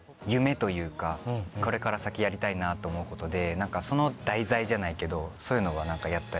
これから先やりたいなと思うことで何かその題材じゃないけどそういうのはやったり。